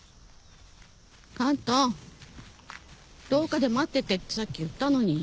廊下で待っててってさっき言ったのに。